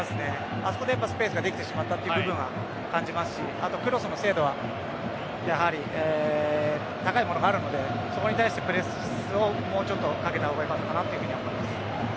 あそこでスペースができてしまった部分は感じますし、あとクロスの精度はやはり高いものがあるのでそこに対するプレスをもうちょっとかけたほうが良かったと思います。